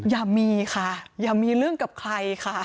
อย่ามีค่ะอย่ามีเรื่องกับใครค่ะ